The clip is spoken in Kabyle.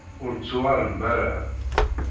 Ur d-tettuɣalem ara.